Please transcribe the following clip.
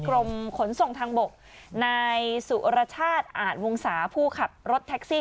กรมขนส่งทางบกนายสุรชาติอาจวงศาผู้ขับรถแท็กซี่